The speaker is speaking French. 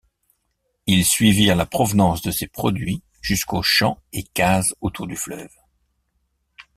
Ils suivirent la provenance de ces produits jusqu'aux champs et cases autour du fleuve.